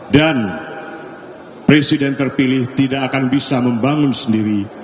dan presiden terpilih tidak akan bisa membangun sendiri